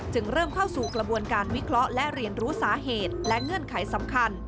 เริ่มเข้าสู่กระบวนการวิเคราะห์และเรียนรู้สาเหตุและเงื่อนไขสำคัญ